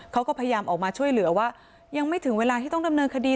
เขาก็พยายามออกมาช่วยเหลือว่ายังไม่ถึงเวลาที่ต้องดำเนินคดี